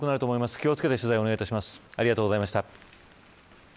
気を付けて取材をお願いします。